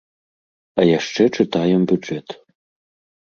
А яшчэ чытаем бюджэт!